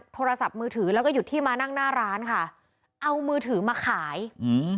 โทรศัพท์มือถือแล้วก็หยุดที่มานั่งหน้าร้านค่ะเอามือถือมาขายอืม